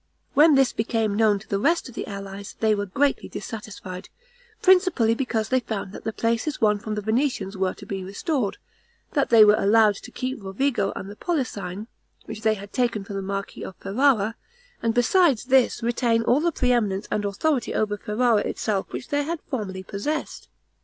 When this became known to the rest of the allies, they were greatly dissatisfied, principally because they found that the places won from the Venetians were to be restored; that they were allowed to keep Rovigo and the Polesine, which they had taken from the marquis of Ferrara, and besides this retain all the pre eminence and authority over Ferrara itself which they had formerly possessed.